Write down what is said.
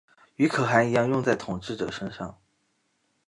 与可汗一样用在统治者身上。